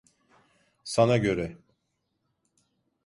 Sana göre.